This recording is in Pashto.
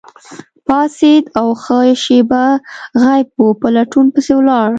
پاڅید او ښه شیبه غایب وو، په لټون پسې ولاړ.